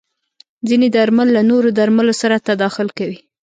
ځینې درمل له نورو درملو سره تداخل کوي.